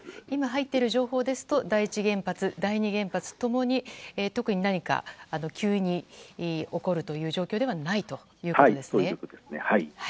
今入っている情報ですと第一原発、第二原発ともに特に何かが急に起こるという状況ではそういうことです。